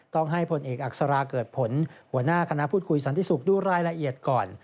ต้องให้ผลเอกอักษราเกิดผลหัวหน้าคณะพูดคุยสันติสุขดูรายละเอียดก่อน